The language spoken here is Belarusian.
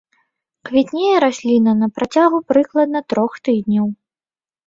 Квітнее расліна на працягу прыкладна трох тыдняў.